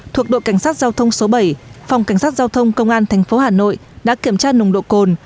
thuộc đội cảnh sát giao thông số bảy phòng cảnh sát giao thông công an tp hà nội đã kiểm tra nồng độ cồn